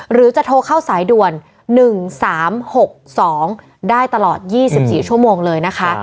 หรือจะโทรเข้าสายด่วน๑๓๖๒ได้ตลอด๒๔ชั่วโมงเลยนะคะ